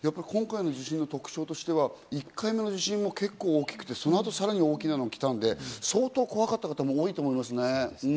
今回の地震の特徴としては１回目の地震も結構大きくて、その後、さらに大きなのが来たので、相当怖かった方も多いと思います。